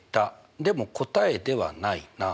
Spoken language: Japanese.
でも答えではないな。